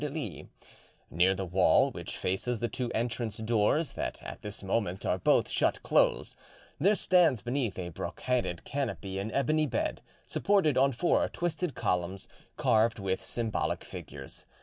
Near the wall which faces the two entrance doors that at this moment are both shut close, there stands beneath a brocaded canopy an ebony bed, supported on four twisted columns carved with symbolic figures.